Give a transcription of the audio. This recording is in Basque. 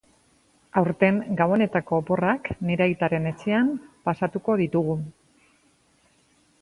Aurten gabonetako oporrak nire aitaren etxean pasatuko ditugu.